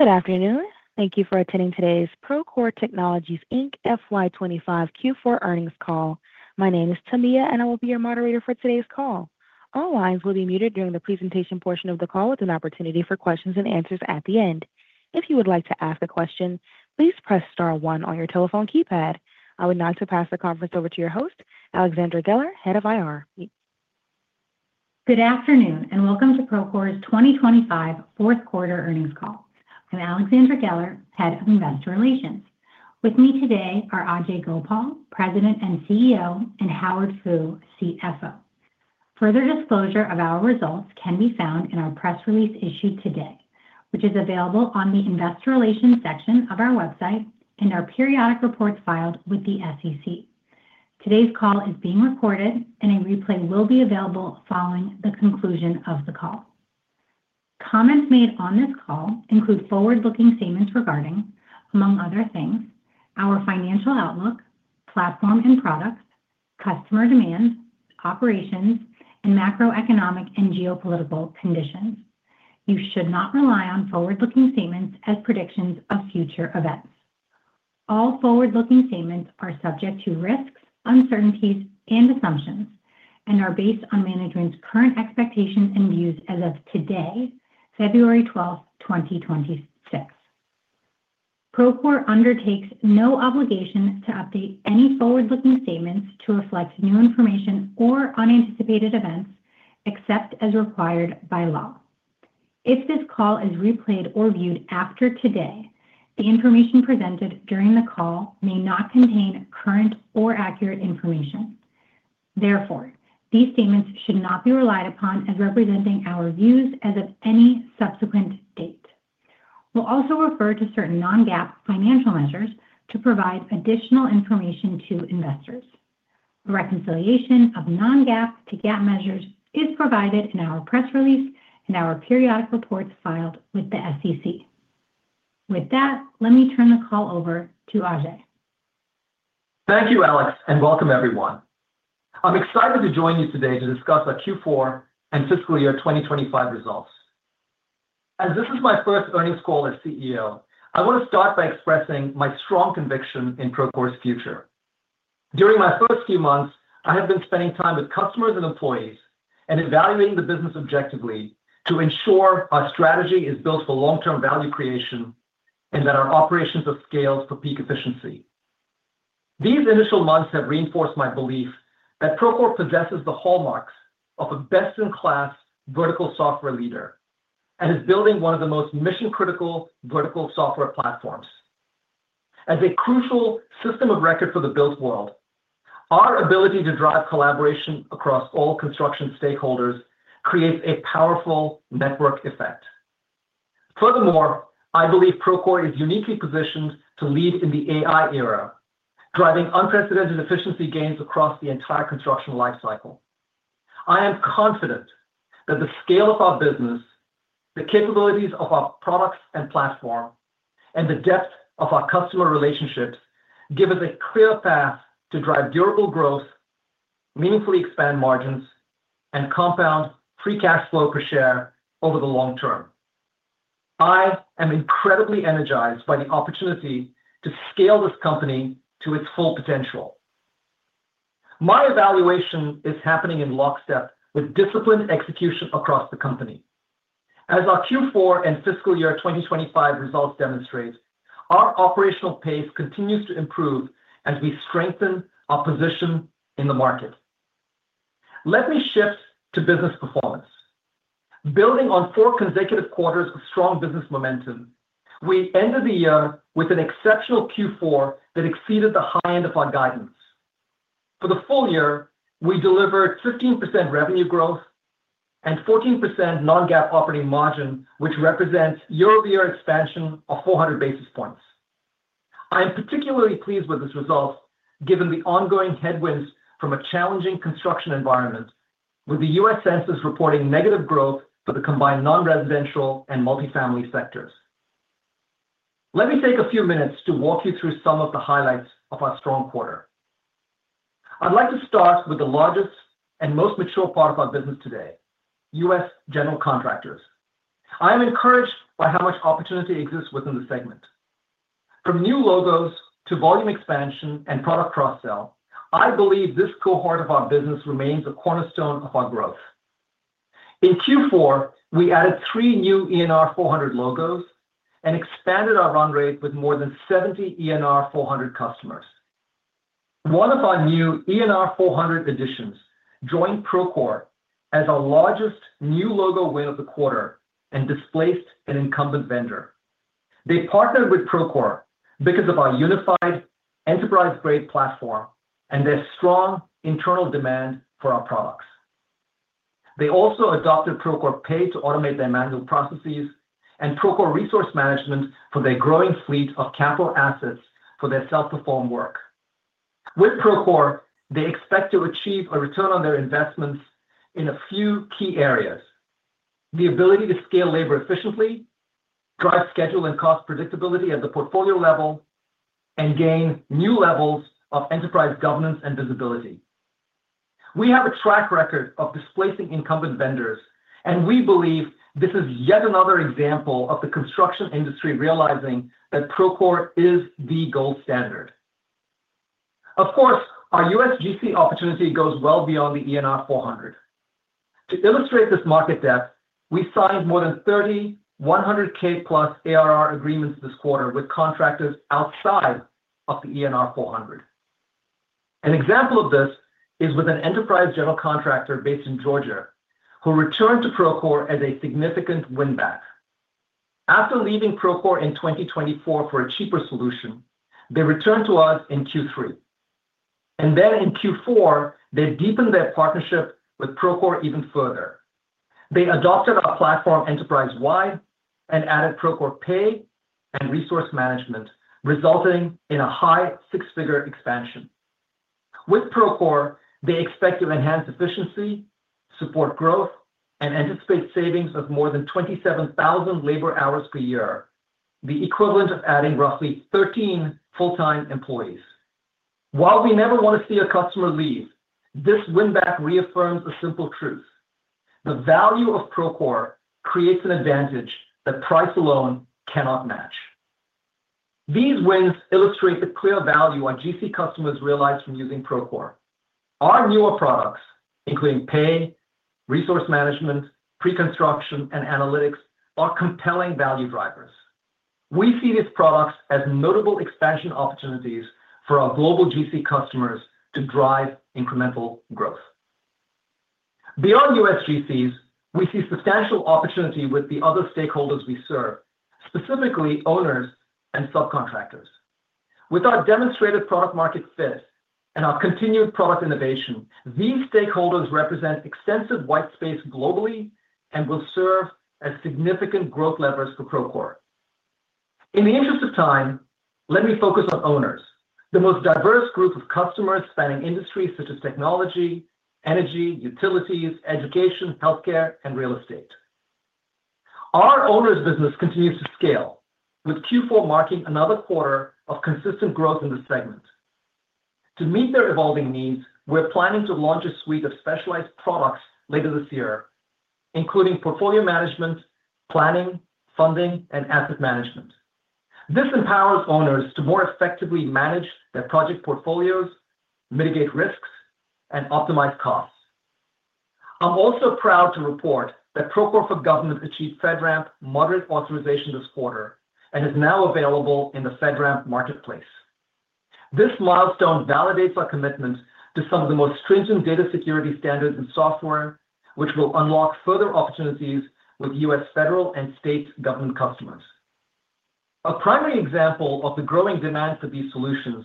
Good afternoon. Thank you for attending today's Procore Technologies, Inc, FY 25 Q4 Earnings Call. My name is Tamia, and I will be your moderator for today's call. All lines will be muted during the presentation portion of the call, with an opportunity for questions and answers at the end. If you would like to ask a question, please press star one on your telephone keypad. I would now like to pass the conference over to your host, Alexandra Geller, Head of IR. Good afternoon, and welcome to Procore's 2025 Fourth Quarter Earnings Call. I'm Alexandra Geller, Head of Investor Relations. With me today are Ajei Gopal, President and CEO, and Howard Fu, CFO. Further disclosure of our results can be found in our press release issued today, which is available on the investor relations section of our website and our periodic reports filed with the SEC. Today's call is being recorded, and a replay will be available following the conclusion of the call. Comments made on this call include forward-looking statements regarding, among other things, our financial outlook, platform and products, customer demand, operations, and macroeconomic and geopolitical conditions. You should not rely on forward-looking statements as predictions of future events. All forward-looking statements are subject to risks, uncertainties, and assumptions and are based on management's current expectations and views as of today, February 12, 2026. Procore undertakes no obligation to update any forward-looking statements to reflect new information or unanticipated events, except as required by law. If this call is replayed or viewed after today, the information presented during the call may not contain current or accurate information. Therefore, these statements should not be relied upon as representing our views as of any subsequent date. We'll also refer to certain non-GAAP financial measures to provide additional information to investors. Reconciliation of non-GAAP to GAAP measures is provided in our press release and our periodic reports filed with the SEC. With that, let me turn the call over to Ajei. Thank you, Alex, and welcome everyone. I'm excited to join you today to discuss our Q4 and Fiscal Year 2025 Results. As this is my first earnings call as CEO, I want to start by expressing my strong conviction in Procore's future. During my first few months, I have been spending time with customers and employees and evaluating the business objectively to ensure our strategy is built for long-term value creation and that our operations are scaled for peak efficiency. These initial months have reinforced my belief that Procore possesses the hallmarks of a best-in-class vertical software leader and is building one of the most mission-critical vertical software platforms. As a crucial system of record for the built world, our ability to drive collaboration across all construction stakeholders creates a powerful network effect. Furthermore, I believe Procore is uniquely positioned to lead in the AI era, driving unprecedented efficiency gains across the entire construction lifecycle. I am confident that the scale of our business, the capabilities of our products and platform, and the depth of our customer relationships give us a clear path to drive durable growth, meaningfully expand margins, and compound free cash flow per share over the long term. I am incredibly energized by the opportunity to scale this company to its full potential. My evaluation is happening in lockstep with disciplined execution across the company. As our Q4 and fiscal year 2025 results demonstrate, our operational pace continues to improve as we strengthen our position in the market. Let me shift to business performance. Building on four consecutive quarters of strong business momentum, we ended the year with an exceptional Q4 that exceeded the high end of our guidance. For the full year, we delivered 15% revenue growth and 14% non-GAAP operating margin, which represents year-over-year expansion of 400 basis points. I am particularly pleased with this result, given the ongoing headwinds from a challenging construction environment, with the U.S. Census reporting negative growth for the combined non-residential and multifamily sectors. Let me take a few minutes to walk you through some of the highlights of our strong quarter. I'd like to start with the largest and most mature part of our business today, U.S. general contractors. I am encouraged by how much opportunity exists within the segment. From new logos to volume expansion and product cross-sell, I believe this cohort of our business remains a cornerstone of our growth. In Q4, we added three new ENR 400 logos and expanded our run rate with more than 70 ENR 400 customers. One of our new ENR 400 additions joined Procore as our largest new logo win of the quarter and displaced an incumbent vendor. They partnered with Procore because of our unified enterprise-grade platform and their strong internal demand for our products. They also adopted Procore Pay to automate their manual processes and Procore Resource Management for their growing fleet of capital assets for their self-performed work. With Procore, they expect to achieve a return on their investments in a few key areas: the ability to scale labor efficiently, drive schedule and cost predictability at the portfolio level, and gain new levels of enterprise governance and visibility. We have a track record of displacing incumbent vendors, and we believe this is yet another example of the construction industry realizing that Procore is the gold standard. Of course, our U.S. GC opportunity goes well beyond the ENR 400. To illustrate this market depth, we signed more than 30 $100,000+ ARR agreements this quarter with contractors outside of the ENR 400. An example of this is with an enterprise general contractor based in Georgia, who returned to Procore as a significant win-back. After leaving Procore in 2024 for a cheaper solution, they returned to us in Q3, and then in Q4, they deepened their partnership with Procore even further. They adopted our platform enterprise-wide and added Procore Pay and Resource Management, resulting in a high six-figure expansion. With Procore, they expect to enhance efficiency, support growth, and anticipate savings of more than 27,000 labor hours per year, the equivalent of adding roughly 13 full-time employees. While we never want to see a customer leave, this win-back reaffirms a simple truth: the value of Procore creates an advantage that price alone cannot match. These wins illustrate the clear value our GC customers realize from using Procore. Our newer products, including Pay, Resource Management, Preconstruction, and Analytics, are compelling value drivers. We see these products as notable expansion opportunities for our global GC customers to drive incremental growth. Beyond U.S. GCs, we see substantial opportunity with the other stakeholders we serve, specifically owners and subcontractors. With our demonstrated product market fit and our continued product innovation, these stakeholders represent extensive white space globally and will serve as significant growth levers for Procore. In the interest of time, let me focus on owners, the most diverse group of customers spanning industries such as Technology, Energy, Utilities, Education, Healthcare, and Real Estate. Our owners business continues to scale, with Q4 marking another quarter of consistent growth in this segment. To meet their evolving needs, we're planning to launch a suite of specialized products later this year, including portfolio management, planning, funding, and asset management. This empowers owners to more effectively manage their project portfolios, mitigate risks, and optimize costs. I'm also proud to report that Procore for Government achieved FedRAMP Moderate authorization this quarter and is now available in the FedRAMP Marketplace. This milestone validates our commitment to some of the most stringent data security standards in software, which will unlock further opportunities with U.S. federal and state government customers. A primary example of the growing demand for these solutions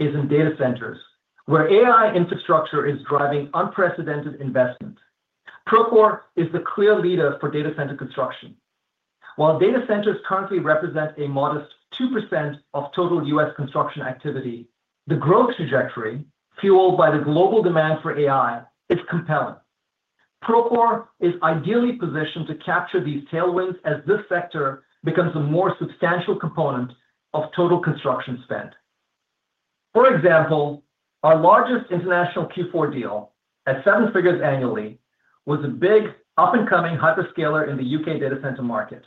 is in data centers, where AI infrastructure is driving unprecedented investment. Procore is the clear leader for data center construction. While data centers currently represent a modest 2% of total U.S. construction activity, the growth trajectory, fueled by the global demand for AI, is compelling. Procore is ideally positioned to capture these tailwinds as this sector becomes a more substantial component of total construction spend. For example, our largest international Q4 deal, at seven figures annually, was a big up-and-coming hyperscaler in the U.K. data center market.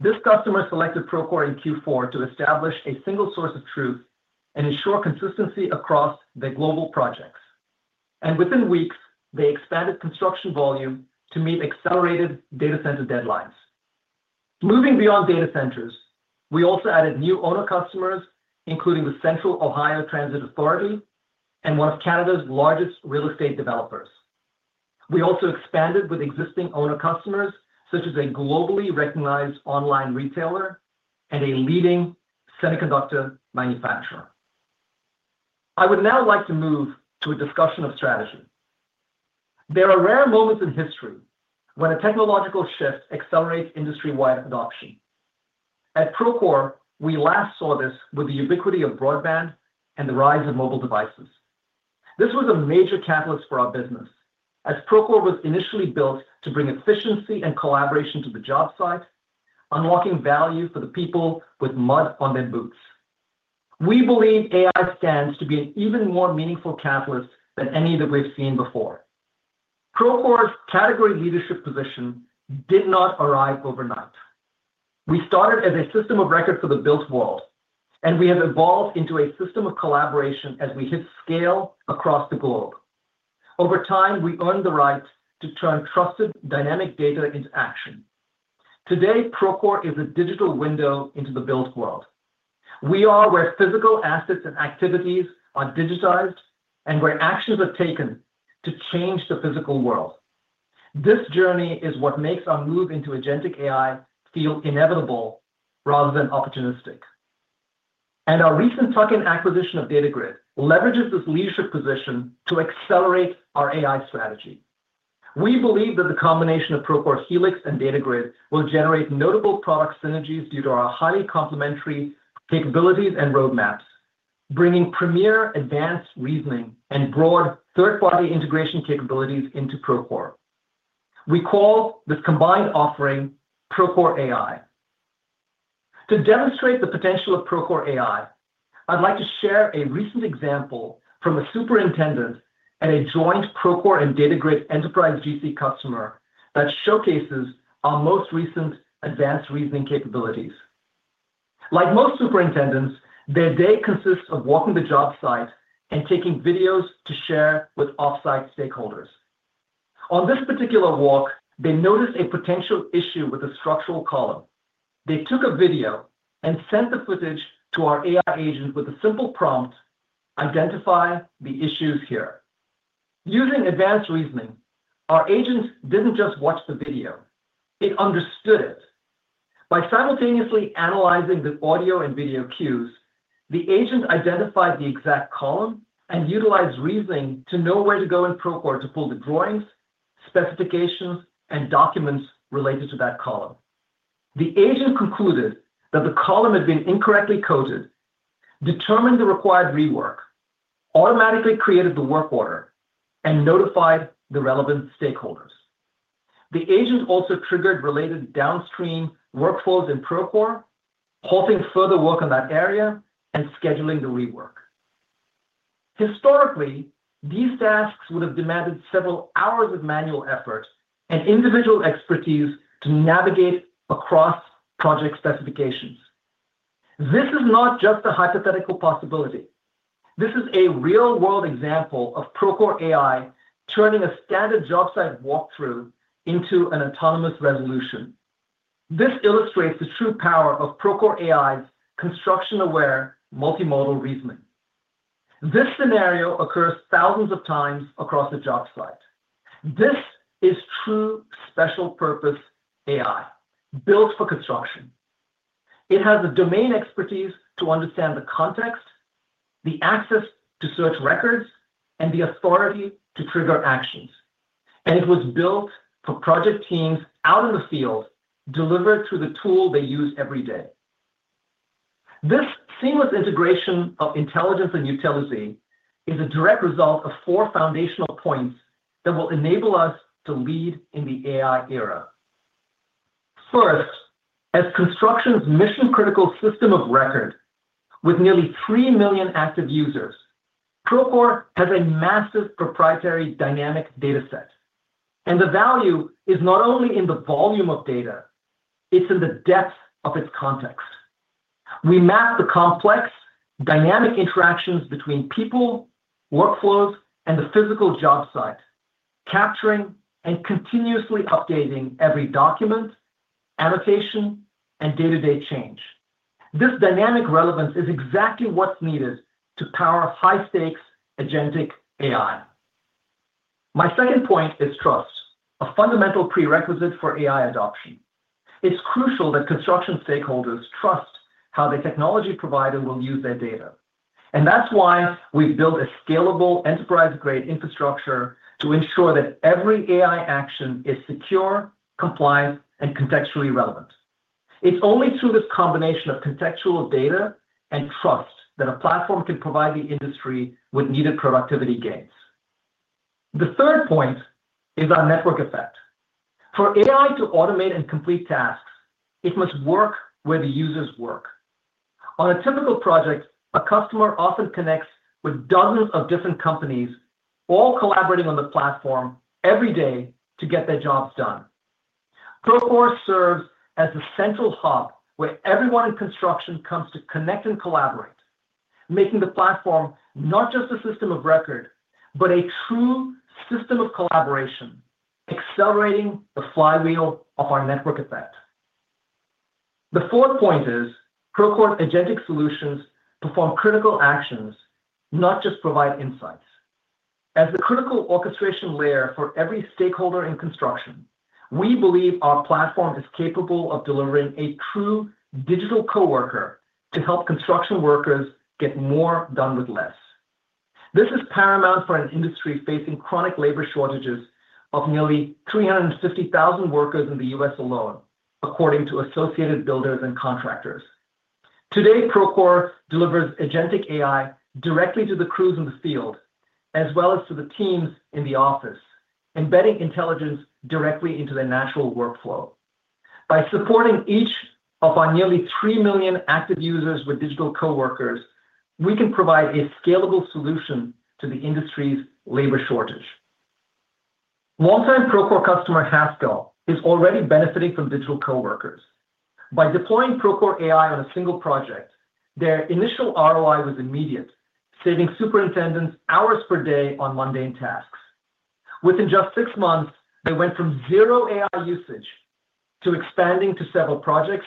This customer selected Procore in Q4 to establish a single source of truth and ensure consistency across the global projects. And within weeks, they expanded construction volume to meet accelerated data center deadlines. Moving beyond data centers, we also added new owner customers, including the Central Ohio Transit Authority and one of Canada's largest real estate developers. We also expanded with existing owner customers, such as a globally recognized online retailer and a leading semiconductor manufacturer. I would now like to move to a discussion of strategy. There are rare moments in history when a technological shift accelerates industry-wide adoption. At Procore, we last saw this with the ubiquity of broadband and the rise of mobile devices. This was a major catalyst for our business, as Procore was initially built to bring efficiency and collaboration to the job site, unlocking value for the people with mud on their boots. We believe AI stands to be an even more meaningful catalyst than any that we've seen before. Procore's category leadership position did not arrive overnight. We started as a system of record for the built world, and we have evolved into a system of collaboration as we hit scale across the globe. Over time, we earned the right to turn trusted, dynamic data into action. Today, Procore is a digital window into the built world. We are where physical assets and activities are digitized and where actions are taken to change the physical world. This journey is what makes our move into Agentic AI feel inevitable rather than opportunistic, and our recent tuck-in acquisition of Datagrid leverages this leadership position to accelerate our AI strategy. We believe that the combination of Procore Helix and Datagrid will generate notable product synergies due to our highly complementary capabilities and roadmaps, bringing premier advanced reasoning and broad third-party integration capabilities into Procore. We call this combined offering Procore AI. To demonstrate the potential of Procore AI, I'd like to share a recent example from a superintendent at a joint Procore and Datagrid Enterprise GC customer that showcases our most recent advanced reasoning capabilities. Like most superintendents, their day consists of walking the job site and taking videos to share with off-site stakeholders. On this particular walk, they noticed a potential issue with a structural column. They took a video and sent the footage to our AI agent with a simple prompt: "Identify the issues here." Using advanced reasoning, our agent didn't just watch the video, it understood it. By simultaneously analyzing the audio and video cues, the agent identified the exact column and utilized reasoning to know where to go in Procore to pull the drawings, specifications, and documents related to that column. The agent concluded that the column had been incorrectly coded, determined the required rework, automatically created the work order, and notified the relevant stakeholders. The agent also triggered related downstream workflows in Procore, halting further work on that area and scheduling the rework. Historically, these tasks would have demanded several hours of manual effort and individual expertise to navigate across project specifications. This is not just a hypothetical possibility. This is a real-world example of Procore AI turning a standard job site walkthrough into an autonomous resolution. This illustrates the true power of Procore AI's construction-aware multimodal reasoning. This scenario occurs thousands of times across the job site. This is true special-purpose AI, built for construction. It has the domain expertise to understand the context, the access to search records, and the authority to trigger actions, and it was built for project teams out in the field, delivered through the tool they use every day. This seamless integration of intelligence and utility is a direct result of four foundational points that will enable us to lead in the AI era. First, as construction's mission-critical system of record, with nearly three million active users, Procore has a massive proprietary dynamic data set, and the value is not only in the volume of data, it's in the depth of its context. We map the complex, dynamic interactions between people, workflows, and the physical job site, capturing and continuously updating every document, annotation, and day-to-day change. This dynamic relevance is exactly what's needed to power high-stakes Agentic AI. My second point is trust, a fundamental prerequisite for AI adoption. It's crucial that construction stakeholders trust how the technology provider will use their data, and that's why we've built a scalable, enterprise-grade infrastructure to ensure that every AI action is secure, compliant, and contextually relevant. It's only through this combination of contextual data and trust that a platform can provide the industry with needed productivity gains. The third point is our network effect. For AI to automate and complete tasks, it must work where the users work. On a typical project, a customer often connects with dozens of different companies, all collaborating on the platform every day to get their jobs done. Procore serves as the central hub where everyone in construction comes to connect and collaborate, making the platform not just a system of record, but a true system of collaboration, accelerating the flywheel of our network effect. The fourth point is Procore agentic solutions perform critical actions, not just provide insights. As the critical orchestration layer for every stakeholder in construction, we believe our platform is capable of delivering a true digital coworker to help construction workers get more done with less. This is paramount for an industry facing chronic labor shortages of nearly 350,000 workers in the U.S. alone, according to Associated Builders and Contractors. Today, Procore delivers agentic AI directly to the crews in the field, as well as to the teams in the office, embedding intelligence directly into their natural workflow. By supporting each of our nearly 3 million active users with digital coworkers, we can provide a scalable solution to the industry's labor shortage. Long-time Procore customer, Haskell, is already benefiting from digital coworkers. By deploying Procore AI on a single project, their initial ROI was immediate, saving superintendents hours per day on mundane tasks. Within just 6 months, they went from 0 AI usage to expanding to several projects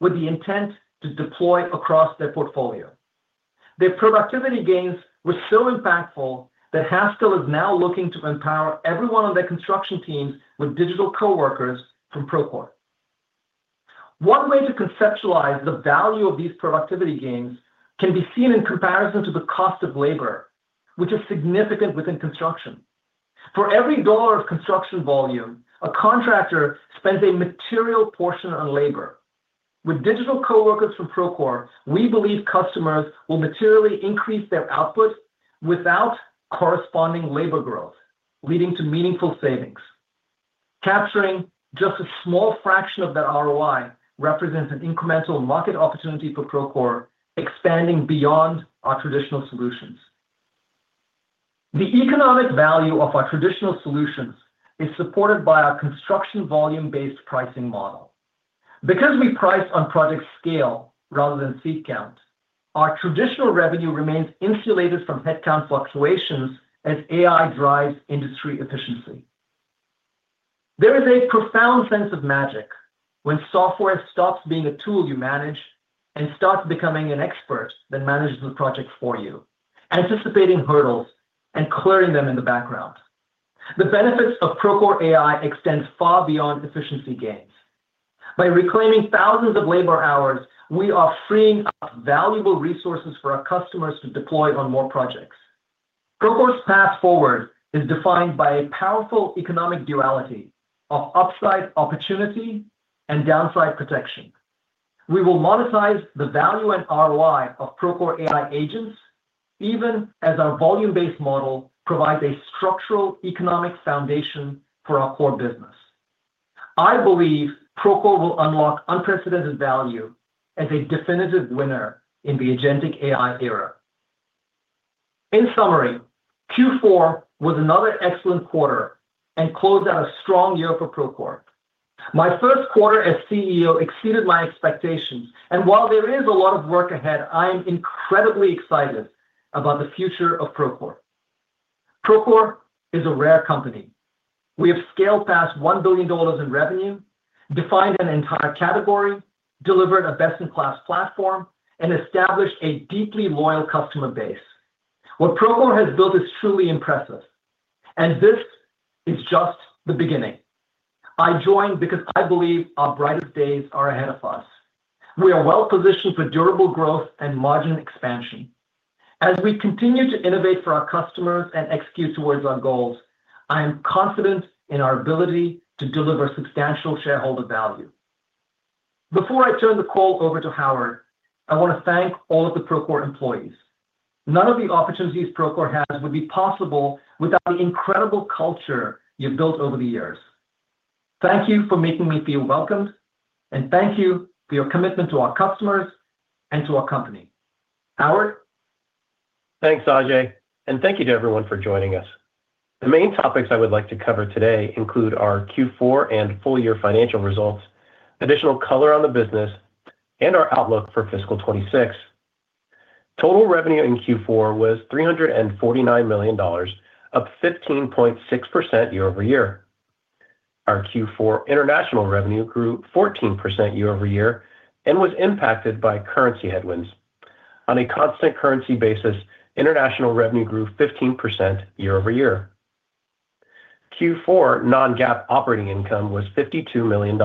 with the intent to deploy across their portfolio. Their productivity gains were so impactful that Haskell is now looking to empower everyone on their construction teams with digital coworkers from Procore. One way to conceptualize the value of these productivity gains can be seen in comparison to the cost of labor, which is significant within construction. For every $1 of construction volume, a contractor spends a material portion on labor. With digital coworkers from Procore, we believe customers will materially increase their output without corresponding labor growth, leading to meaningful savings. Capturing just a small fraction of that ROI represents an incremental market opportunity for Procore, expanding beyond our traditional solutions. The economic value of our traditional solutions is supported by our construction volume-based pricing model. Because we price on project scale rather than seat count, our traditional revenue remains insulated from headcount fluctuations as AI drives industry efficiency. There is a profound sense of magic when software stops being a tool you manage and starts becoming an expert that manages the project for you, anticipating hurdles and clearing them in the background. The benefits of Procore AI extend far beyond efficiency gains. By reclaiming thousands of labor hours, we are freeing up valuable resources for our customers to deploy on more projects. Procore's path forward is defined by a powerful economic duality of upside opportunity and downside protection. We will monetize the value and ROI of Procore AI agents, even as our volume-based model provides a structural economic foundation for our core business. I believe Procore will unlock unprecedented value as a definitive winner in the Agentic AI era. In summary, Q4 was another excellent quarter and closed out a strong year for Procore. My first quarter as CEO exceeded my expectations, and while there is a lot of work ahead, I am incredibly excited about the future of Procore. Procore is a rare company. We have scaled past $1 billion in revenue, defined an entire category, delivered a best-in-class platform, and established a deeply loyal customer base. What Procore has built is truly impressive, and this is just the beginning. I joined because I believe our brightest days are ahead of us. We are well positioned for durable growth and margin expansion. As we continue to innovate for our customers and execute towards our goals, I am confident in our ability to deliver substantial shareholder value. Before I turn the call over to Howard, I want to thank all of the Procore employees. None of the opportunities Procore has would be possible without the incredible culture you've built over the years. Thank you for making me feel welcomed, and thank you for your commitment to our customers and to our company. Howard? Thanks, Ajei, and thank you to everyone for joining us. The main topics I would like to cover today include our Q4 and full year financial results, additional color on the business, and our outlook for fiscal 2026. Total revenue in Q4 was $349 million, up 15.6% year-over-year. Our Q4 international revenue grew 14% year-over-year and was impacted by currency headwinds. On a constant currency basis, international revenue grew 15% year-over-year. Q4 non-GAAP operating income was $52 million,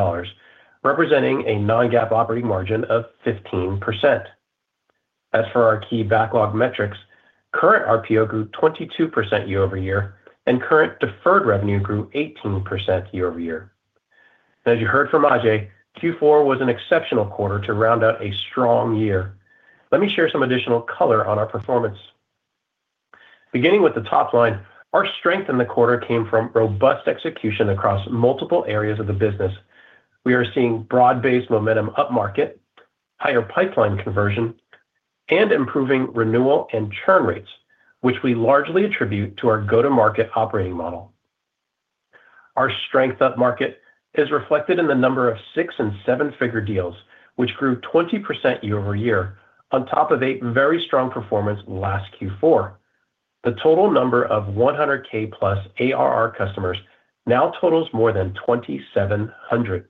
representing a non-GAAP operating margin of 15%. As for our key backlog metrics, current RPO grew 22% year-over-year, and current deferred revenue grew 18% year-over-year. As you heard from Ajei, Q4 was an exceptional quarter to round out a strong year. Let me share some additional color on our performance. Beginning with the top line, our strength in the quarter came from robust execution across multiple areas of the business. We are seeing broad-based momentum upmarket, higher pipeline conversion, and improving renewal and churn rates, which we largely attribute to our go-to-market operating model. Our strength upmarket is reflected in the number of six- and seven-figure deals, which grew 20% year-over-year on top of a very strong performance last Q4. The total number of $100,000+ ARR customers now totals more than 2,700.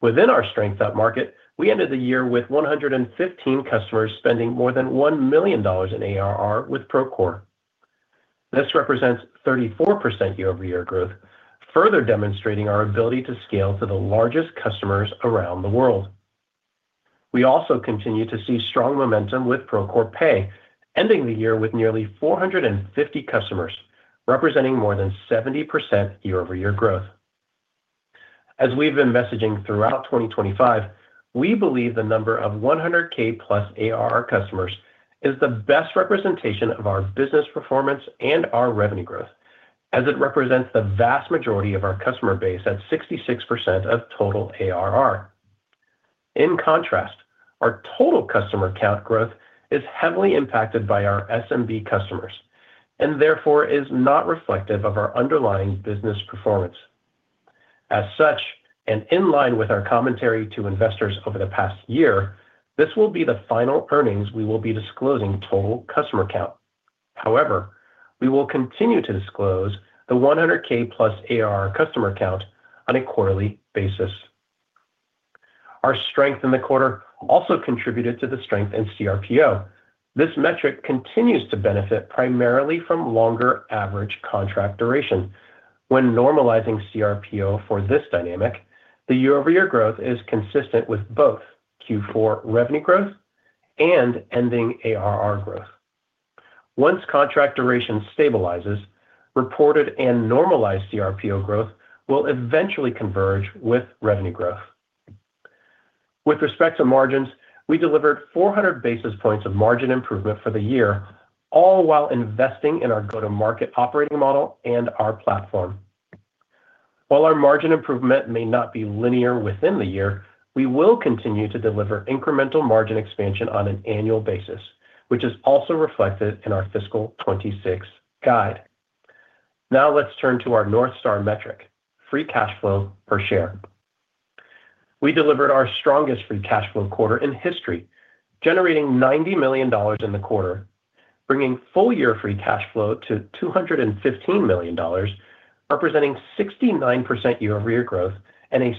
Within our strength upmarket, we ended the year with 115 customers spending more than $1 million in ARR with Procore. This represents 34% year-over-year growth, further demonstrating our ability to scale to the largest customers around the world. We also continue to see strong momentum with Procore Pay, ending the year with nearly 450 customers, representing more than 70% year-over-year growth. As we've been messaging throughout 2025, we believe the number of $100,000+ ARR customers is the best representation of our business performance and our revenue growth, as it represents the vast majority of our customer base at 66% of total ARR. In contrast, our total customer count growth is heavily impacted by our SMB customers, and therefore is not reflective of our underlying business performance. As such, and in line with our commentary to investors over the past year, this will be the final earnings we will be disclosing total customer count. However, we will continue to disclose the $100,000+ ARR customer count on a quarterly basis. Our strength in the quarter also contributed to the strength in CRPO. This metric continues to benefit primarily from longer average contract duration. When normalizing CRPO for this dynamic, the year-over-year growth is consistent with both Q4 revenue growth and ending ARR growth. Once contract duration stabilizes, reported and normalized CRPO growth will eventually converge with revenue growth. With respect to margins, we delivered 400 basis points of margin improvement for the year, all while investing in our go-to-market operating model and our platform. While our margin improvement may not be linear within the year, we will continue to deliver incremental margin expansion on an annual basis, which is also reflected in our fiscal 2026 guide. Now let's turn to our north star metric: free cash flow per share. We delivered our strongest free cash flow quarter in history, generating $90 million in the quarter, bringing full-year free cash flow to $215 million, representing 69% year-over-year growth and a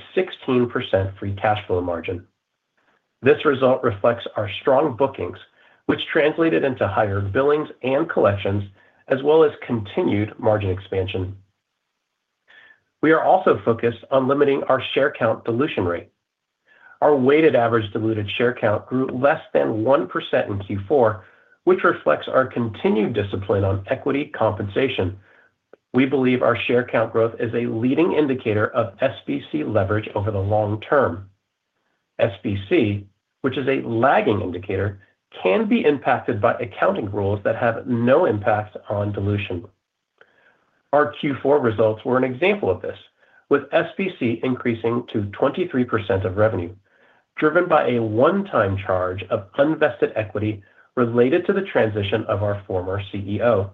16% free cash flow margin. This result reflects our strong bookings, which translated into higher billings and collections, as well as continued margin expansion. We are also focused on limiting our share count dilution rate. Our weighted average diluted share count grew less than 1% in Q4, which reflects our continued discipline on equity compensation. We believe our share count growth is a leading indicator of SBC leverage over the long term. SBC, which is a lagging indicator, can be impacted by accounting rules that have no impact on dilution. Our Q4 results were an example of this, with SBC increasing to 23% of revenue, driven by a one-time charge of unvested equity related to the transition of our former CEO.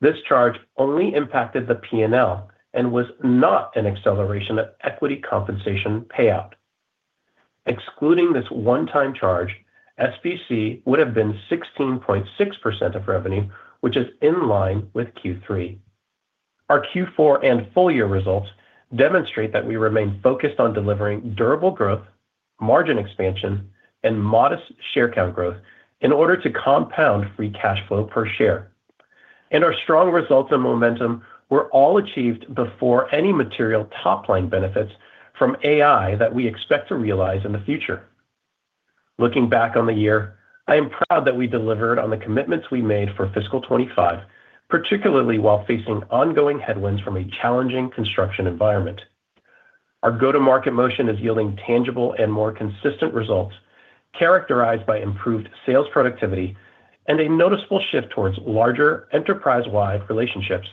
This charge only impacted the P&L and was not an acceleration of equity compensation payout. Excluding this one-time charge, SBC would have been 16.6% of revenue, which is in line with Q3. Our Q4 and full-year results demonstrate that we remain focused on delivering durable growth, margin expansion, and modest share count growth in order to compound free cash flow per share. Our strong results and momentum were all achieved before any material top-line benefits from AI that we expect to realize in the future. Looking back on the year, I am proud that we delivered on the commitments we made for fiscal 2025, particularly while facing ongoing headwinds from a challenging construction environment. Our go-to-market motion is yielding tangible and more consistent results, characterized by improved sales productivity and a noticeable shift towards larger enterprise-wide relationships.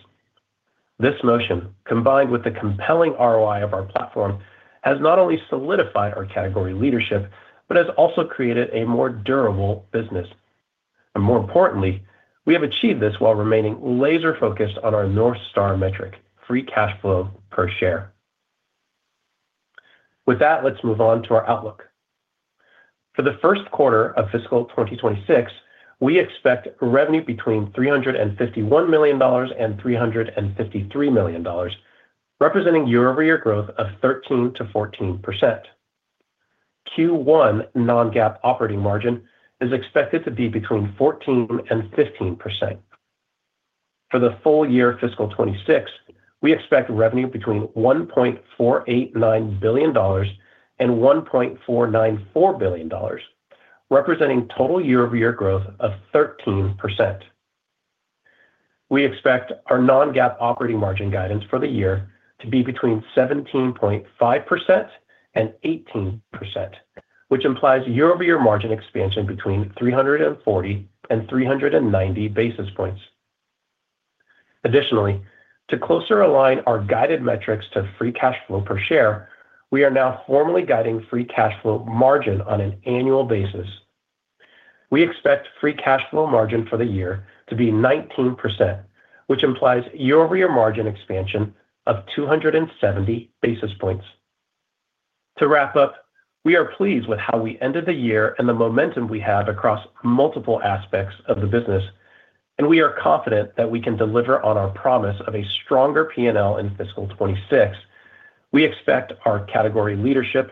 This motion, combined with the compelling ROI of our platform, has not only solidified our category leadership, but has also created a more durable business. More importantly, we have achieved this while remaining laser-focused on our north star metric: free cash flow per share. With that, let's move on to our outlook. For the first quarter of fiscal 2026, we expect revenue between $351 million and $353 million, representing year-over-year growth of 13%-14%. Q1 non-GAAP operating margin is expected to be 14%-15%. For the full year fiscal 2026, we expect revenue between $1.489 billion to $1.494 billion, representing total year-over-year growth of 13%. We expect our non-GAAP operating margin guidance for the year to be between 17.5%-18%, which implies year-over-year margin expansion between 340-390 basis points. Additionally, to closer align our guided metrics to free cash flow per share, we are now formally guiding free cash flow margin on an annual basis. We expect free cash flow margin for the year to be 19%, which implies year-over-year margin expansion of 270 basis points. To wrap up, we are pleased with how we ended the year and the momentum we have across multiple aspects of the business, and we are confident that we can deliver on our promise of a stronger P&L in Fiscal '26. We expect our category leadership,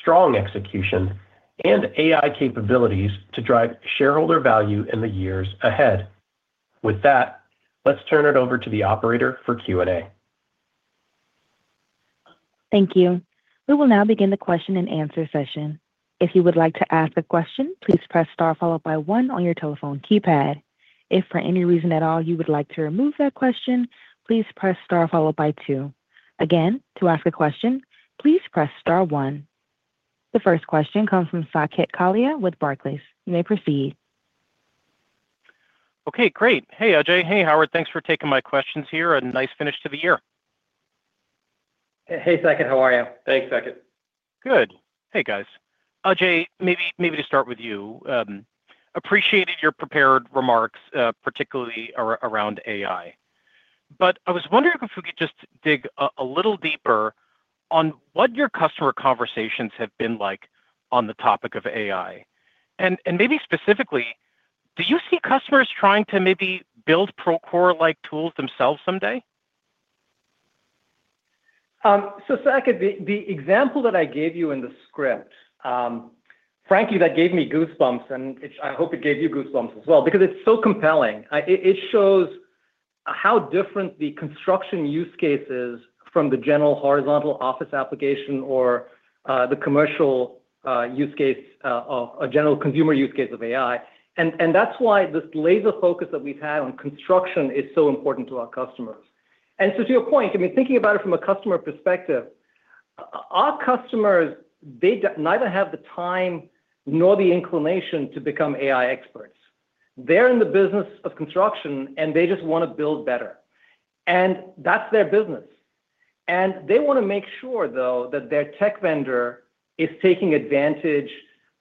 strong execution, and AI capabilities to drive shareholder value in the years ahead. With that, let's turn it over to the operator for Q&A. Thank you. We will now begin the question-and-answer session. If you would like to ask a question, please press star followed by one on your telephone keypad. If, for any reason at all, you would like to remove that question, please press star followed by two. Again, to ask a question, please press star one. The first question comes from Saket Kalia with Barclays. You may proceed. Okay, great. Hey, Ajei. Hey, Howard. Thanks for taking my questions here, and nice finish to the year. Hey, Saket, how are you? Thanks, Saket. Good. Hey, guys. Ajei, maybe to start with you, appreciated your prepared remarks, particularly around AI. But I was wondering if we could just dig a little deeper on what your customer conversations have been like on the topic of AI. And maybe specifically, do you see customers trying to maybe build Procore-like tools themselves someday? So, Saket, the example that I gave you in the script, frankly, that gave me goosebumps, and it, I hope it gave you goosebumps as well, because it's so compelling. It shows how different the construction use case is from the general horizontal office application or, the commercial, use case, or a general consumer use case of AI. And that's why this laser focus that we've had on construction is so important to our customers. And so to your point, I mean, thinking about it from a customer perspective, our customers, they neither have the time nor the inclination to become AI experts. They're in the business of construction, and they just want to build better, and that's their business. They want to make sure, though, that their tech vendor is taking advantage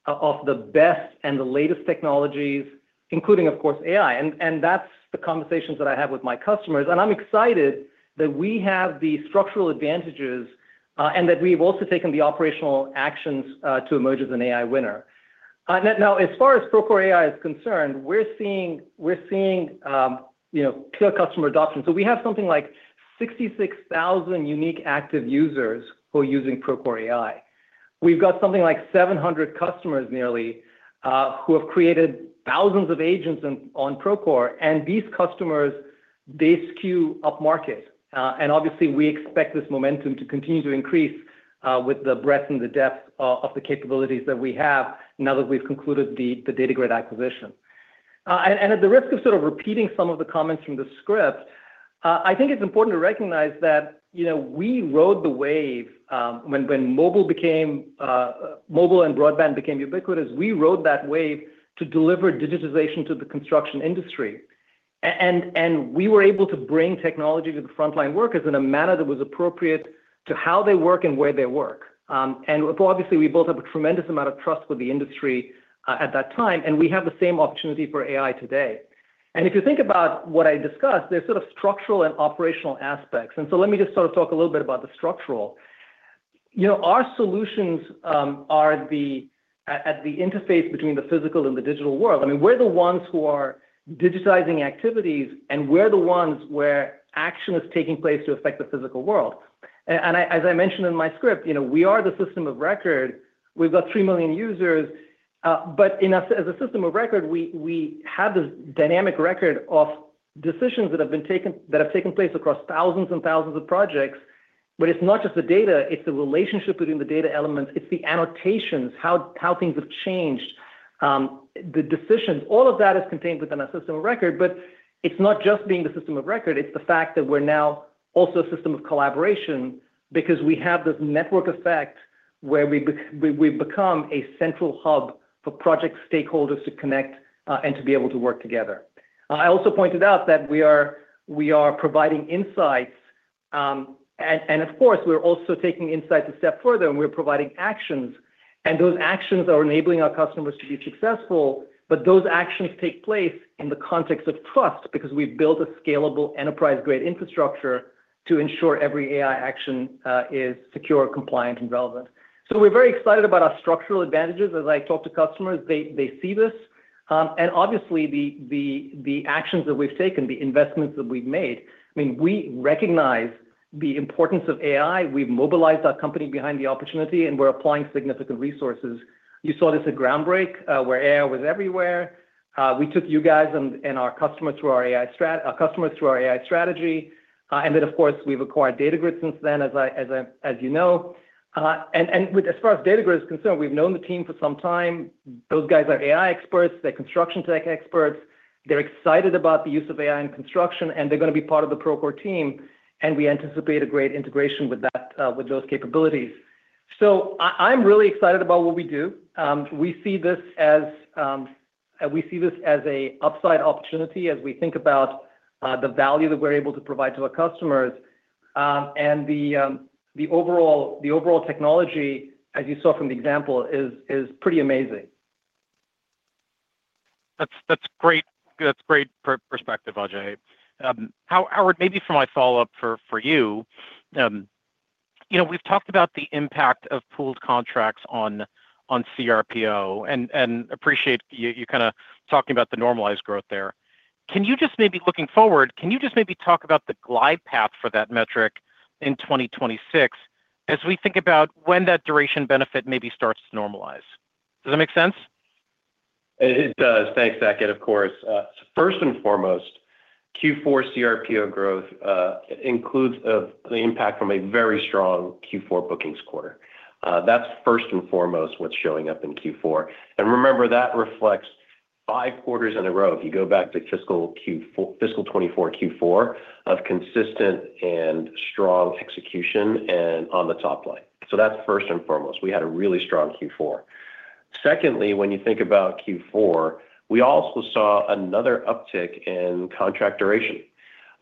of the best and the latest technologies, including, of course, AI. And that's the conversations that I have with my customers, and I'm excited that we have the structural advantages, and that we've also taken the operational actions to emerge as an AI winner. Now, as far as Procore AI is concerned, we're seeing, we're seeing, you know, clear customer adoption. So we have something like 66,000 unique active users who are using Procore AI. We've got something like 700 customers nearly, who have created thousands of agents on Procore, and these customers, they skew upmarket. And obviously, we expect this momentum to continue to increase, with the breadth and the depth of the capabilities that we have now that we've concluded the Datagrid acquisition. And at the risk of sort of repeating some of the comments from the script, I think it's important to recognize that, you know, we rode the wave, when mobile became mobile and broadband became ubiquitous, we rode that wave to deliver digitization to the construction industry. And we were able to bring technology to the frontline workers in a manner that was appropriate to how they work and where they work. And so obviously, we built up a tremendous amount of trust with the industry, at that time, and we have the same opportunity for AI today. If you think about what I discussed, there's sort of structural and operational aspects. So let me just sort of talk a little bit about the structural. You know, our solutions are at the interface between the physical and the digital world. I mean, we're the ones who are digitizing activities, and we're the ones where action is taking place to affect the physical world. And as I mentioned in my script, you know, we are the system of record. We've got 3 million users, but as a system of record, we have this dynamic record of decisions that have taken place across thousands and thousands of projects. But it's not just the data, it's the relationship between the data elements. It's the annotations, how things have changed, the decisions. All of that is contained within our system of record, but it's not just being the system of record, it's the fact that we're now also a system of collaboration because we have this network effect where we, we've become a central hub for project stakeholders to connect, and to be able to work together. I also pointed out that we are, we are providing insights, and, and of course, we're also taking insights a step further, and we're providing actions, and those actions are enabling our customers to be successful. But those actions take place in the context of trust because we've built a scalable enterprise-grade infrastructure to ensure every AI action is secure, compliant, and relevant. So we're very excited about our structural advantages. As I talk to customers, they see this, and obviously, the actions that we've taken, the investments that we've made, I mean, we recognize the importance of AI. We've mobilized our company behind the opportunity, and we're applying significant resources. You saw this at Groundbreak, where AI was everywhere. We took you guys and our customers through our AI strategy. And then, of course, we've acquired Datagrid since then, as you know. And with as far as Datagrid is concerned, we've known the team for some time. Those guys are AI experts. They're construction tech experts. They're excited about the use of AI in construction, and they're gonna be part of the Procore team, and we anticipate a great integration with that, with those capabilities. So, I'm really excited about what we do. We see this as a upside opportunity as we think about the value that we're able to provide to our customers. And the overall technology, as you saw from the example, is pretty amazing. That's, that's great. That's great per perspective, Ajei. Howard, maybe for my follow-up for you, you know, we've talked about the impact of pooled contracts on CRPO, and appreciate you kind of talking about the normalized growth there. Can you just maybe looking forward, can you just maybe talk about the glide path for that metric in 2026 as we think about when that duration benefit maybe starts to normalize? Does that make sense? It does. Thanks, Saket, and of course, first and foremost, Q4 CRPO growth includes the impact from a very strong Q4 bookings quarter. That's first and foremost what's showing up in Q4. Remember, that reflects five quarters in a row. If you go back to fiscal 2024 Q4 of consistent and strong execution and on the top line. So that's first and foremost. We had a really strong Q4. Secondly, when you think about Q4, we also saw another uptick in contract duration.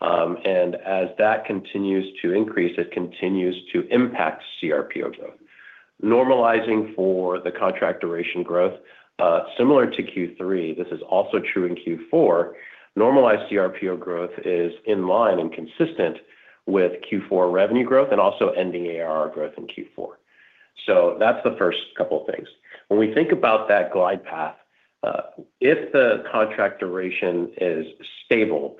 As that continues to increase, it continues to impact CRPO growth. Normalizing for the contract duration growth, similar to Q3, this is also true in Q4, normalized CRPO growth is in line and consistent with Q4 revenue growth and also ending ARR growth in Q4. So that's the first couple of things. When we think about that glide path, if the contract duration is stable,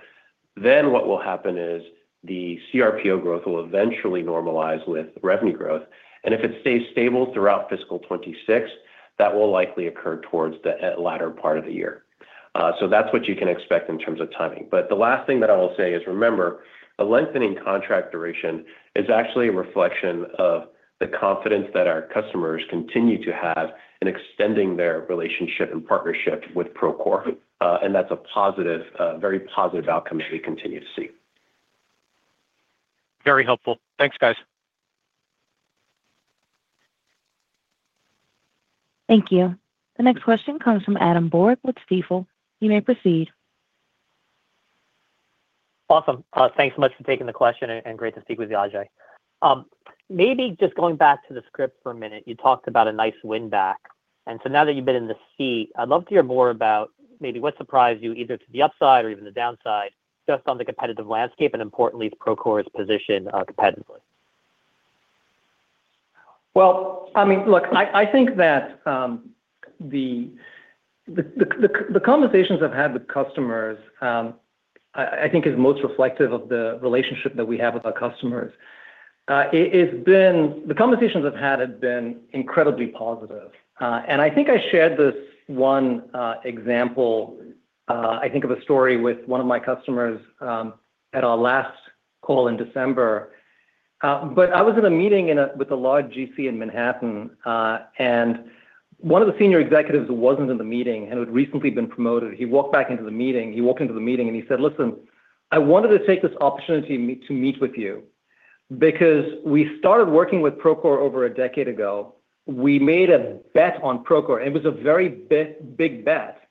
then what will happen is the CRPO growth will eventually normalize with revenue growth, and if it stays stable throughout fiscal 2026, that will likely occur towards the, latter part of the year. So that's what you can expect in terms of timing. But the last thing that I will say is, remember, a lengthening contract duration is actually a reflection of the confidence that our customers continue to have in extending their relationship and partnership with Procore, and that's a positive, a very positive outcome that we continue to see. Very helpful. Thanks, guys. Thank you. The next question comes from Adam Borg with Stifel. You may proceed. Awesome. Thanks so much for taking the question, and great to speak with you, Ajei. Maybe just going back to the script for a minute, you talked about a nice win back, and so now that you've been in the seat, I'd love to hear more about maybe what surprised you, either to the upside or even the downside, just on the competitive landscape and importantly, Procore's position, competitively. Well, think that the conversations I've had with customers, I think is most reflective of the relationship that we have with our customers. The conversations I've had have been incredibly positive. And I think I shared this one example, I think of a story with one of my customers at our last call in December. But I was in a meeting with a large GC in Manhattan, and one of the senior executives who wasn't in the meeting and who had recently been promoted, he walked back into the meeting. He walked into the meeting, and he said, "Listen, I wanted to take this opportunity to meet with you because we started working with Procore over a decade ago. We made a bet on Procore, and it was a very big bet,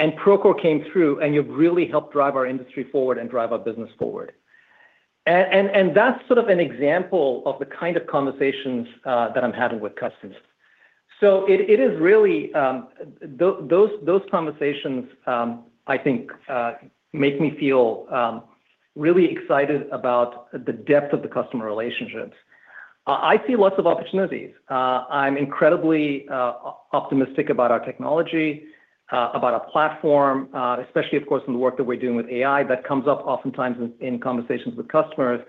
and Procore came through, and you've really helped drive our industry forward and drive our business forward." And that's sort of an example of the kind of conversations that I'm having with customers. So it is really those conversations I think make me feel really excited about the depth of the customer relationships. I see lots of opportunities. I'm incredibly optimistic about our technology, about our platform, especially of course, in the work that we're doing with AI. That comes up oftentimes in conversations with customers.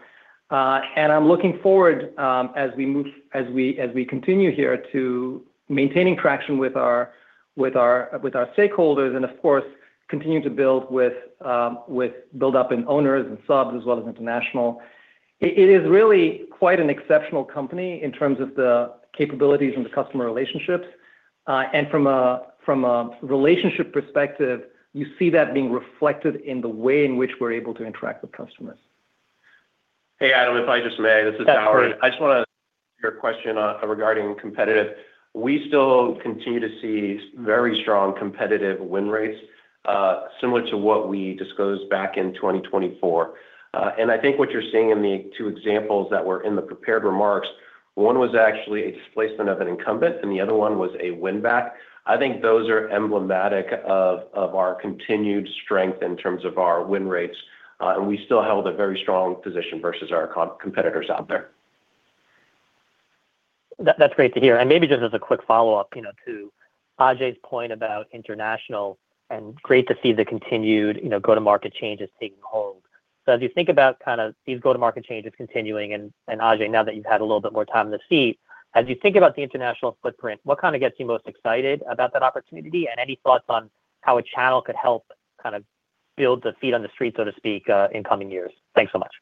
And I'm looking forward, as we continue here to maintaining traction with our stakeholders and of course, continuing to build up in owners and subs as well as international. It is really quite an exceptional company in terms of the capabilities and the customer relationships. And from a relationship perspective, you see that being reflected in the way in which we're able to interact with customers. Hey, Adam, if I just may, this is Howard. I just want to answer your question on, regarding competitive. We still continue to see very strong competitive win rates, similar to what we disclosed back in 2024. And I think what you're seeing in the two examples that were in the prepared remarks, one was actually a displacement of an incumbent, and the other one was a win back. I think those are emblematic of our continued strength in terms of our win rates, and we still hold a very strong position versus our competitors out there. That, that's great to hear. And maybe just as a quick follow-up, you know, to Ajei's point about international, and great to see the continued, you know, go-to-market changes taking hold. So as you think about kind of these go-to-market changes continuing, and, and Ajei, now that you've had a little bit more time in the seat, as you think about the international footprint, what kind of gets you most excited about that opportunity? And any thoughts on how a channel could help kind of build the feet on the street, so to speak, in coming years? Thanks so much.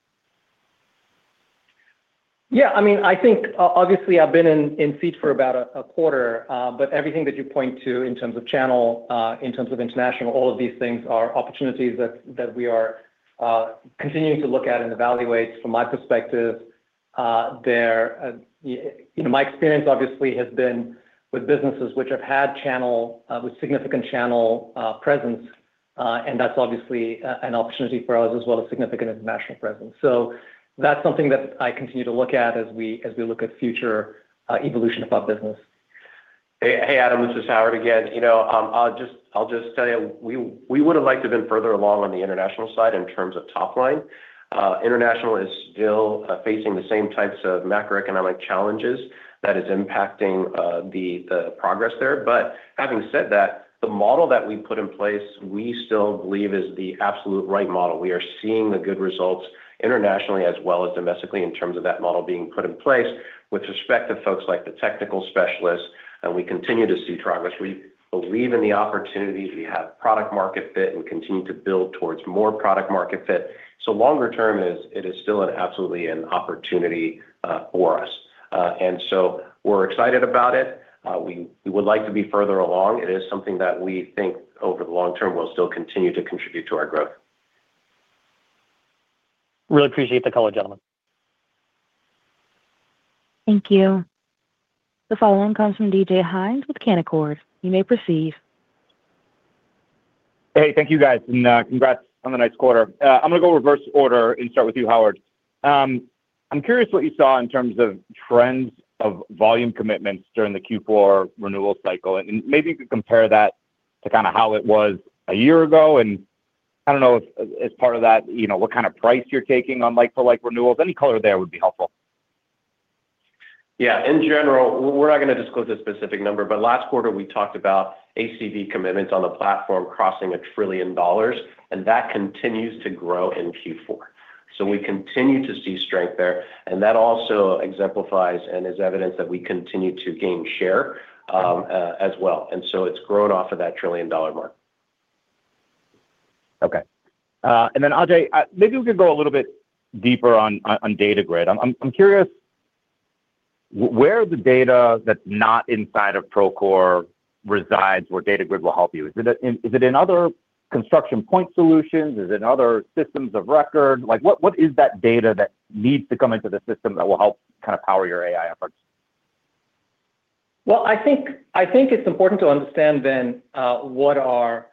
Yeah, I mean, I think, obviously, I've been in seat for about a quarter, but everything that you point to in terms of channel, in terms of international, all of these things are opportunities that we are continuing to look at and evaluate from my perspective. There, you know, my experience obviously has been with businesses which have had channel, with significant channel presence, and that's obviously an opportunity for us, as well as significant international presence. So that's something that I continue to look at as we look at future evolution of our business. Hey, hey, Adam, this is Howard again. You know, I'll just, I'll just tell you, we, we would have liked to been further along on the international side in terms of top line. International is still facing the same types of macroeconomic challenges that is impacting the progress there. But having said that, the model that we put in place, we still believe is the absolute right model. We are seeing the good results internationally as well as domestically in terms of that model being put in place with respect to folks like the technical specialists, and we continue to see progress. We believe in the opportunities. We have product market fit and continue to build towards more product market fit. So longer term is, it is still an absolutely an opportunity for us. And so we're excited about it. We would like to be further along. It is something that we think over the long term will still continue to contribute to our growth. Really appreciate the call, gentlemen. Thank you. The following comes from David Hynes with Canaccord. You may proceed. Hey, thank you, guys, and congrats on the nice quarter. I'm gonna go reverse order and start with you, Howard. I'm curious what you saw in terms of trends of volume commitments during the Q4 renewal cycle, and maybe you could compare that to kind of how it was a year ago. I don't know if, as part of that, you know, what kind of price you're taking on like for like renewals. Any color there would be helpful. Yeah. In general, we're not gonna disclose a specific number, but last quarter, we talked about ACV commitments on the platform crossing $1 trillion, and that continues to grow in Q4. We continue to see strength there, and that also exemplifies and is evidence that we continue to gain share, as well, and so it's grown off of that $1 trillion mark. Okay. And then, Ajei, maybe you could go a little bit deeper on Datagrid. I'm curious, where are the data that's not inside of Procore? resides where Datagrid will help you? Is it, is it in other construction point solutions? Is it, is it in other systems of record? Like, what, what is that data that needs to come into the system that will help kind of power your AI efforts? Well, I think, I think it's important to understand then what our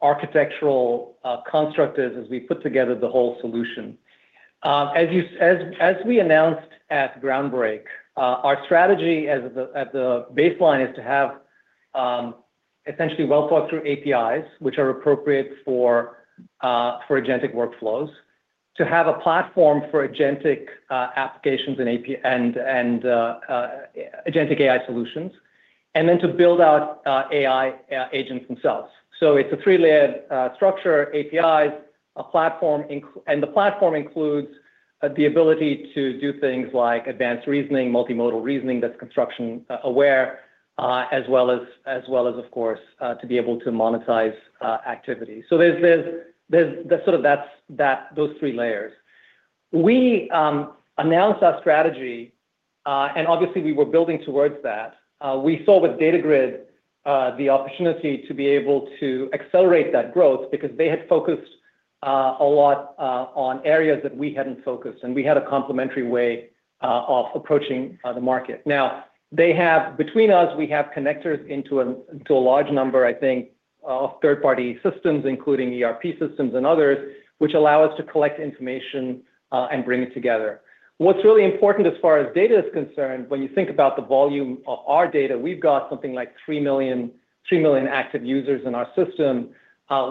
architectural construct is as we put together the whole solution. As we announced at Groundbreak, our strategy at the baseline is to have essentially well-thought-through APIs, which are appropriate for agentic workflows, to have a platform for agentic applications and API, and agentic AI solutions, and then to build out AI agents themselves. So it's a three-layered structure, APIs, a platform including. And the platform includes the ability to do things like advanced reasoning, multimodal reasoning, that's construction aware, as well as, of course, to be able to monetize activity. So there's sort of those three layers. We announced our strategy, and obviously, we were building towards that. We saw with Datagrid, the opportunity to be able to accelerate that growth because they had focused a lot on areas that we hadn't focused, and we had a complementary way of approaching the market. Now, they have—between us, we have connectors into a, into a large number, I think, of third-party systems, including ERP systems and others, which allow us to collect information and bring it together. What's really important as far as data is concerned, when you think about the volume of our data, we've got something like 3 million, 3 million active users in our system.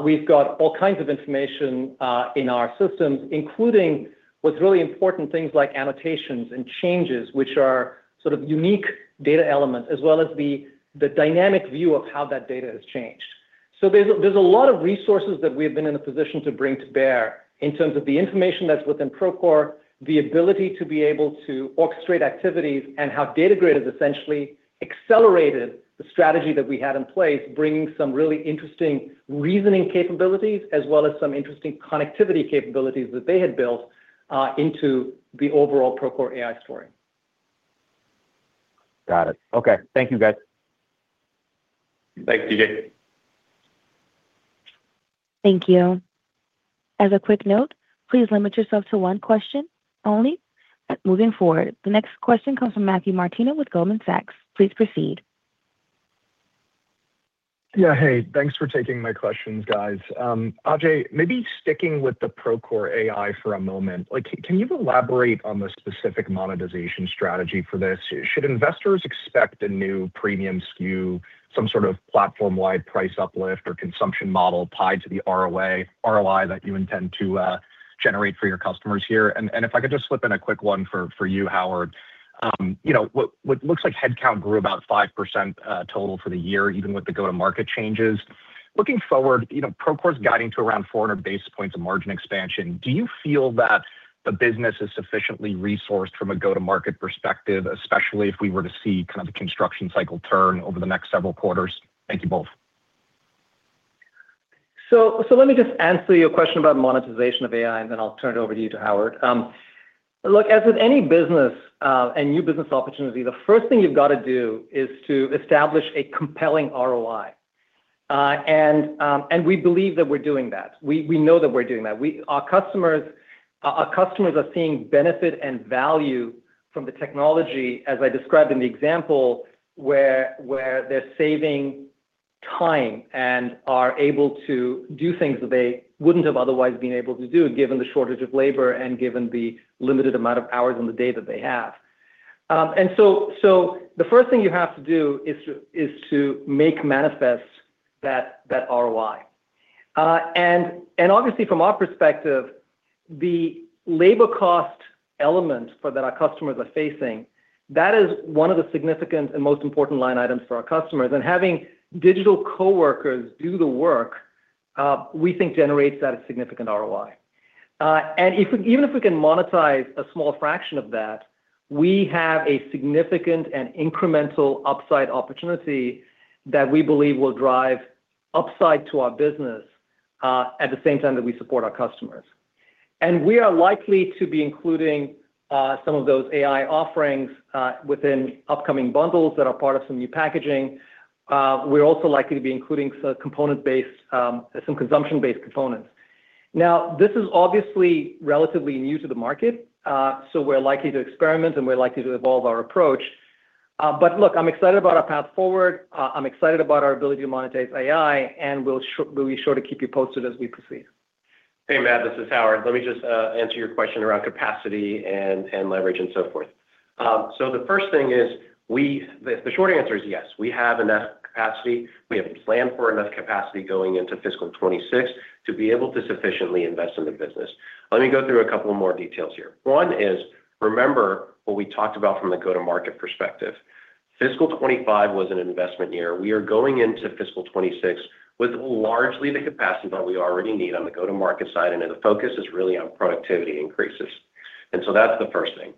We've got all kinds of information in our systems, including what's really important, things like annotations and changes, which are sort of unique data elements, as well as the, the dynamic view of how that data has changed. So there's, there's a lot of resources that we've been in a position to bring to bear in terms of the information that's within Procore, the ability to be able to orchestrate activities, and how Data Grid has essentially accelerated the strategy that we had in place, bringing some really interesting reasoning capabilities, as well as some interesting connectivity capabilities that they had built into the overall Procore AI story. Got it. Okay. Thank you, guys. Thanks, David. Thank you. As a quick note, please limit yourself to one question only. Moving forward, the next question comes from Matthew Martino with Goldman Sachs. Please proceed. Yeah, hey, thanks for taking my questions, guys. Ajei, maybe sticking with the Procore AI for a moment. Like, can you elaborate on the specific monetization strategy for this? Should investors expect a new premium SKU, some sort of platform-wide price uplift or consumption model tied to the ROI that you intend to generate for your customers here? And if I could just slip in a quick one for you, Howard. You know, what looks like headcount grew about 5%, total for the year, even with the go-to-market changes. Looking forward, you know, Procore's guiding to around 400 basis points of margin expansion. Do you feel that the business is sufficiently resourced from a go-to-market perspective, especially if we were to see kind of a construction cycle turn over the next several quarters? Thank you both. So let me just answer your question about monetization of AI, and then I'll turn it over to you, to Howard. Look, as with any business, and new business opportunity, the first thing you've got to do is to establish a compelling ROI. And we believe that we're doing that. We know that we're doing that. Our customers are seeing benefit and value from the technology, as I described in the example, where they're saving time and are able to do things that they wouldn't have otherwise been able to do, given the shortage of labor and given the limited amount of hours in the day that they have. So the first thing you have to do is to make manifest that ROI. And obviously, from our perspective, the labor cost element for that our customers are facing, that is one of the significant and most important line items for our customers. And having digital coworkers do the work, we think generates that significant ROI. And even if we can monetize a small fraction of that, we have a significant and incremental upside opportunity that we believe will drive upside to our business, at the same time that we support our customers. And we are likely to be including some of those AI offerings within upcoming bundles that are part of some new packaging. We're also likely to be including some component-based, some consumption-based components. Now, this is obviously relatively new to the market, so we're likely to experiment, and we're likely to evolve our approach. But look, I'm excited about our path forward. I'm excited about our ability to monetize AI, and we'll be sure to keep you posted as we proceed. Hey, Matt, this is Howard. Let me just answer your question around capacity and leverage, and so forth. The first thing is, the short answer is yes, we have enough capacity. We have planned for enough capacity going into fiscal 26 to be able to sufficiently invest in the business. Let me go through a couple more details here. One is, remember what we talked about from the go-to-market perspective. Fiscal 25 was an investment year. We are going into fiscal 26 with largely the capacity that we already need on the go-to-market side, and then the focus is really on productivity increases. So that's the first thing.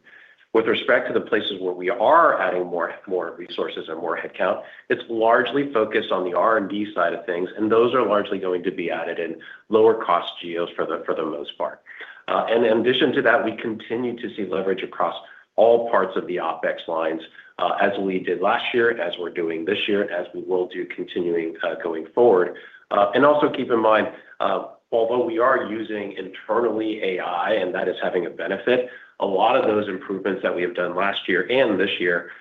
With respect to the places where we are adding more resources and more headcount, it's largely focused on the R&D side of things, and those are largely going to be added in lower-cost geos for the most part. In addition to that, we continue to see leverage across all parts of the OpEx lines, as we did last year, as we're doing this year, as we will do continuing going forward. Also keep in mind, although we are using internally AI, and that is having a benefit, a lot of those improvements that we have done last year and this year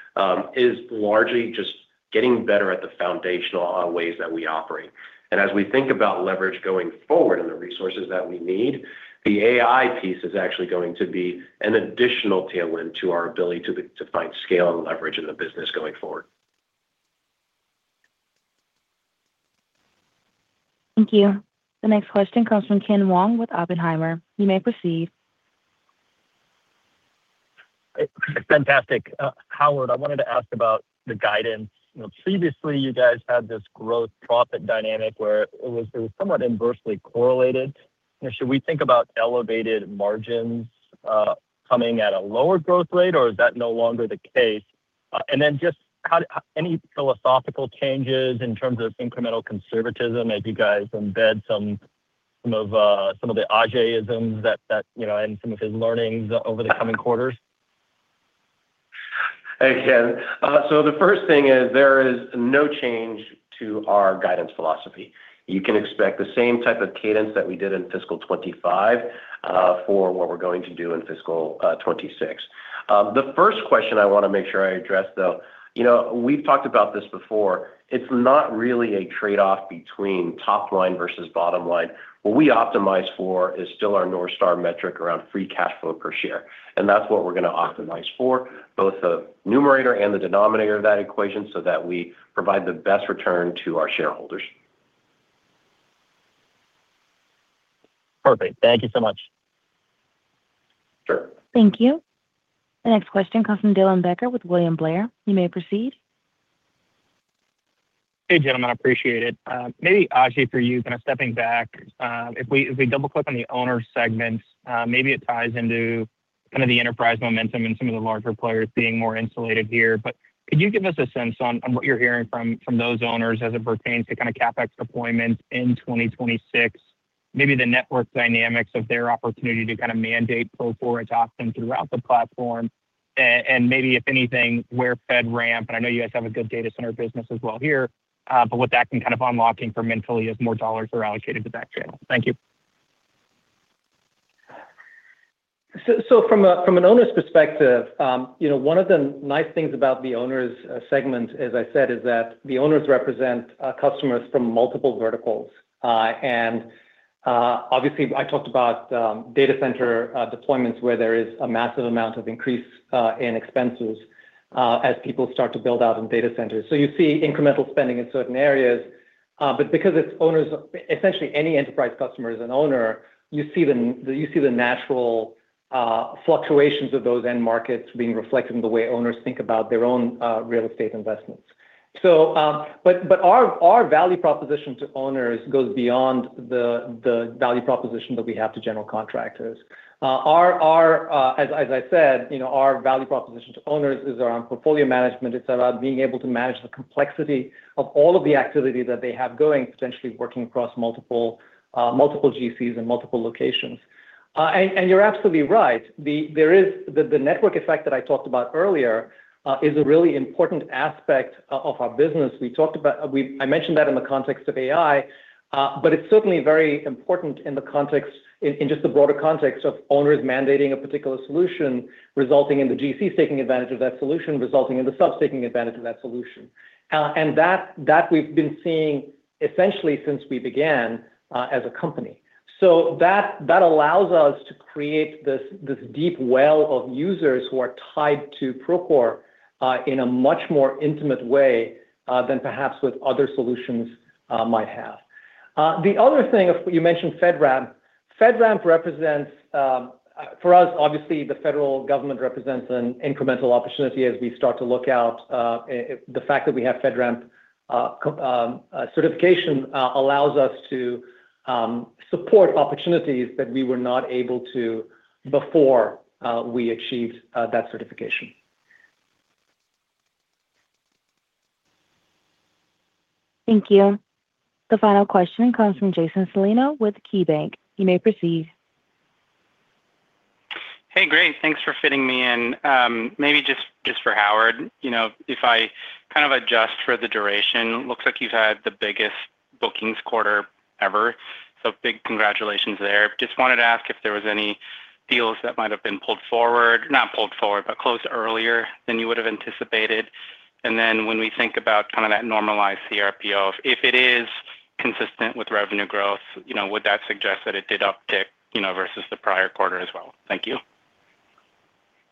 is largely just getting better at the foundational ways that we operate. As we think about leverage going forward and the resources that we need, the AI piece is actually going to be an additional tailwind to our ability to find scale and leverage in the business going forward. Thank you. The next question comes from Ken Wong with Oppenheimer. You may proceed. Fantastic. Howard, I wanted to ask about the guidance. You know, previously, you guys had this growth-profit dynamic where it was, it was somewhat inversely correlated. Should we think about elevated margins, coming at a lower growth rate, or is that no longer the case? And then just how, any philosophical changes in terms of incremental conservatism as you guys embed some, some of, some of the Ajei-isms that, that, you know, and some of his learnings over the coming quarters? Hey, Ken. So the first thing is, there is no change to our guidance philosophy. You can expect the same type of cadence that we did in fiscal 25 for what we're going to do in fiscal 26. The first question I want to make sure I address, though. You know, we've talked about this before. It's not really a trade-off between top line versus bottom line. What we optimize for is still our north star metric: free cash flow per share, and that's what we're gonna optimize for, both the numerator and the denominator of that equation, so that we provide the best return to our shareholders. Perfect. Thank you so much. Sure. Thank you. The next question comes from Dylan Becker with William Blair. You may proceed. Hey, gentlemen, appreciate it. Maybe, Ajei, for you, kind of stepping back, if we, if we double-click on the owner segment, maybe it ties into kind of the enterprise momentum and some of the larger players being more insulated here. But could you give us a sense on, on what you're hearing from, from those owners as it pertains to kind of CapEx deployments in 2026? Maybe the network dynamics of their opportunity to kind of mandate Procore adoption throughout the platform, and maybe, if anything, where FedRAMP, and I know you guys have a good data center business as well here, but what that can kind of unlock incrementally as more dollars are allocated to that channel. Thank you. So, from an owner's perspective, you know, one of the nice things about the owners segment, as I said, is that the owners represent customers from multiple verticals. And obviously, I talked about data center deployments, where there is a massive amount of increase in expenses as people start to build out in data centers. So you see incremental spending in certain areas, but because it's owners—essentially, any enterprise customer is an owner, you see the natural fluctuations of those end markets being reflected in the way owners think about their own real estate investments. So, our value proposition to owners goes beyond the value proposition that we have to general contractors. As I said, you know, our value proposition to owners is around portfolio management. It's about being able to manage the complexity of all of the activity that they have going, potentially working across multiple GCs and multiple locations. And you're absolutely right. The network effect that I talked about earlier is a really important aspect of our business. I mentioned that in the context of AI, but it's certainly very important in the context, in just the broader context of owners mandating a particular solution, resulting in the GCs taking advantage of that solution, resulting in the subs taking advantage of that solution. And that we've been seeing essentially since we began as a company. So that, that allows us to create this, this deep well of users who are tied to Procore in a much more intimate way than perhaps with other solutions might have. The other thing, you mentioned FedRAMP. FedRAMP represents for us, obviously, the federal government represents an incremental opportunity as we start to look out. The fact that we have FedRAMP certification allows us to support opportunities that we were not able to before we achieved that certification. Thank you. The final question comes from Jason Celino with KeyBanc. You may proceed. Hey, great. Thanks for fitting me in. Maybe just for Howard, you know, if I kind of adjust for the duration, looks like you've had the biggest bookings quarter ever. So big congratulations there. Just wanted to ask if there was any deals that might have been pulled forward, not pulled forward, but closed earlier than you would have anticipated. And then when we think about kind of that normalized CRPO, if it is consistent with revenue growth, you know, would that suggest that it did uptick, you know, versus the prior quarter as well? Thank you.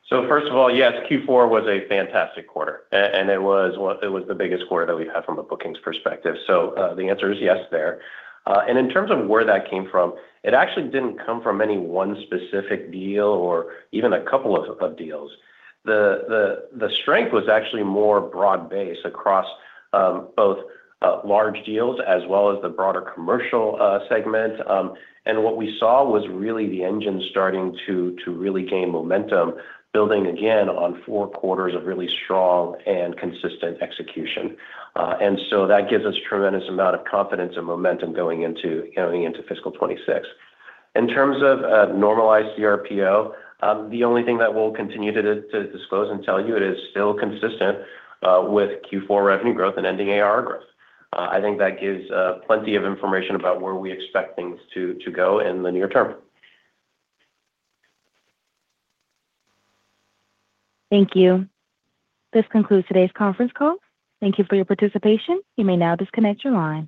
So first of all, yes, Q4 was a fantastic quarter, and it was the biggest quarter that we've had from a bookings perspective. So, the answer is yes there. And in terms of where that came from, it actually didn't come from any one specific deal or even a couple of deals. The strength was actually more broad-based across both large deals as well as the broader commercial segment. And what we saw was really the engine starting to really gain momentum, building again on four quarters of really strong and consistent execution. And so that gives us tremendous amount of confidence and momentum going into fiscal 2026. In terms of normalized CRPO, the only thing that we'll continue to disclose and tell you it is still consistent with Q4 revenue growth and ending AR growth. I think that gives plenty of information about where we expect things to go in the near term. Thank you. This concludes today's conference call. Thank you for your participation. You may now disconnect your line.